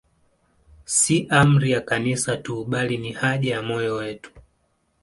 Si amri ya Kanisa tu, bali ni haja ya moyo wetu.